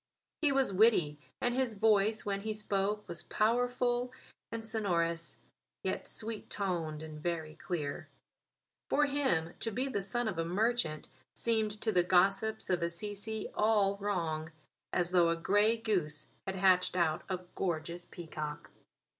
He was witty, and his voice when he spoke was powerful and sonorous, yet sweet toned and very clear. For him to be the son of a merchant seemed to the gossips of Assisi all wrong as though a grey goose had hatched out a gorgeous peacock.